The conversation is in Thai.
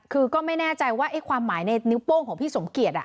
คือก็ไม่แน่ใจว่าความหมายในนิ้วโป้งของพี่สมเกียจ